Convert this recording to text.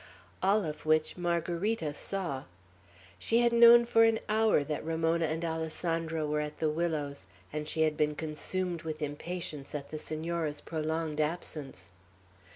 All of which Margarita saw. She had known for an hour that Ramona and Alessandro were at the willows, and she had been consumed with impatience at the Senora's prolonged absence.